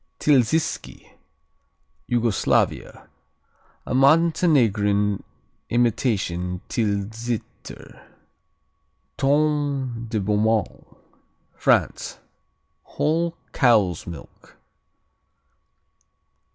Tilziski Yugoslavia A Montenegrin imitation Tilsiter. Tome de Beaumont France Whole cow's milk.